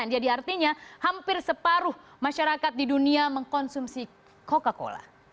jadi artinya hampir separuh masyarakat di dunia mengkonsumsi coca cola